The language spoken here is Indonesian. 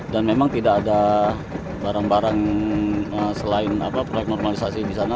dan memang tidak ada barang barang selain proyek normalisasi di sana